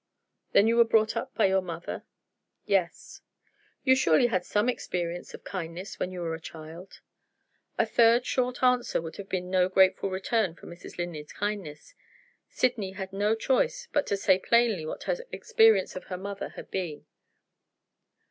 "Then you were brought up by your mother?" "Yes." "You surely had some experience of kindness when you were a child?" A third short answer would have been no very grateful return for Mrs. Linley's kindness. Sydney had no choice but to say plainly what her experience of her mother had been.